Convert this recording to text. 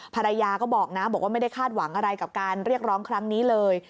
ภรรยาก็บอกนะบอกว่าไม่ได้คาดหวังอะไรกับการเรียกร้องครั้งนี้เลย